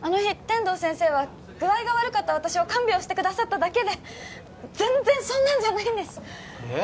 あの日天堂先生は具合が悪かった私を看病してくださっただけで全然そんなんじゃないんですえっ